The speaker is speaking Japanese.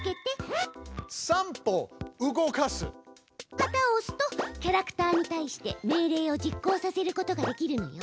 旗をおすとキャラクターにたいして命令を実行させることができるのよ！